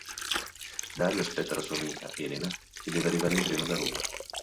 Dario aspetta la sua amica, Elena, che deve arrivare in treno da Roma.